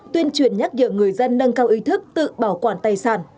tuyên truyền nhắc nhở người dân nâng cao ý thức tự bảo quản tài sản